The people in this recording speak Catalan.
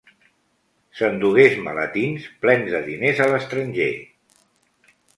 S'endugués maletins plens de diners a l'estranger.